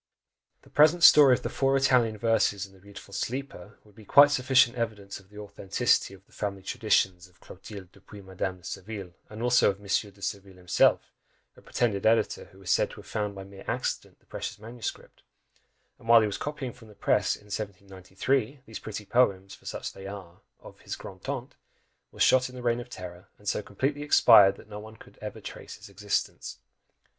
The present story of the FOUR Italian verses, and the beautiful Sleeper, would be quite sufficient evidence of the authenticity of "the family traditions" of Clotilde, depuis Madame de Surville, and also of Monsieur De Surville himself; a pretended editor, who is said to have found by mere accident the precious manuscript, and while he was copying from the press, in 1793, these pretty poems, for such they are, of his grande tante, was shot in the Reign of Terror, and so completely expired, that no one could ever trace his existence!